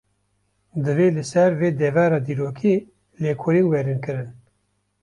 Divê li ser vê devera dîrokî, lêkolîn werin kirin